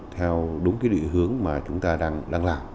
theo đúng địa hướng mà chúng ta đang làm